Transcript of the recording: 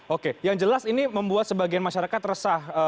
oke yang jelas ini membuat sebagian masyarakat resah